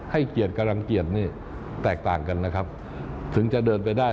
ให้เกียรติกำลังเกียรตินี่แตกต่างกันนะครับถึงจะเดินไปได้